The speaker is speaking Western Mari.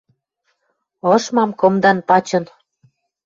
Ышмам кымдан пачын.